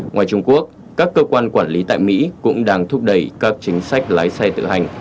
ngoài trung quốc các cơ quan quản lý tại mỹ cũng đang thúc đẩy các chính sách lái xe tự hành